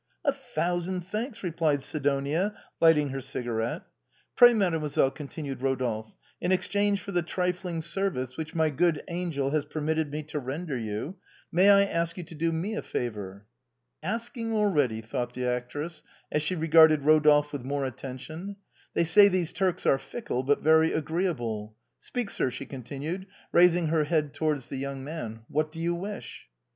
" A thousand thanks," replied Sidonia, lighting her cigarette. " Pray, mademoiselle," continued Eodolphe, " in ex change for the trifling service which my good angel has permitted me to render you, may I ask you to do me a favor ?"" Asking already," thought the actress, as she regarded Eodolphe with more attention, " They say these Turks are fickle, but very agreeable. Speak, sir," she continued, rais ing her head towards the young man, " what do you wish